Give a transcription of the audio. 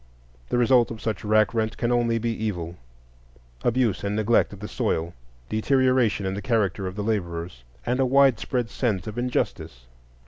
The result of such rack rent can only be evil,—abuse and neglect of the soil, deterioration in the character of the laborers, and a widespread sense of injustice.